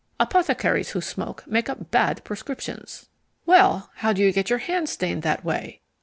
Apothecaries who smoke make up bad prescriptions." "Well, how do you get your hands stained that way?"